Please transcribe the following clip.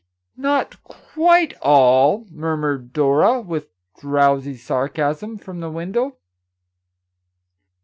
" Not quite all," murmured Dora, with drowsy sarcasm, from the window.